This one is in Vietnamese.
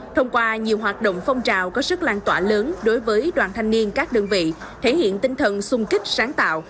thông qua nhiều hoạt động phong trào có sức lan tỏa lớn đối với đoàn thanh niên các đơn vị thể hiện tinh thần sung kích sáng tạo